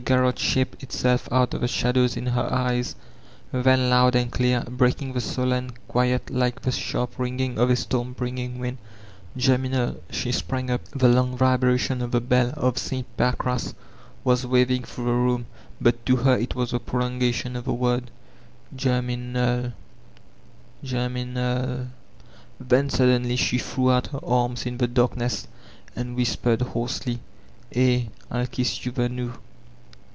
garrotte shaped itself out of the shadows in her eyes, then loud and clear, breaking the sullen quiet like the sharp ringbg of a storm bringing wbd, ^'GerminaL'* She sprang up: the long vibration of the beD of St Pancras was waving through the room ; but to her it was the prolongation of the word, "Gcrm inaH I — gcrm inal M —" Then suddenly she threw out her arms in the darkness, and whispered hoarsely, ''Ay, TU kiss ye Ae noo.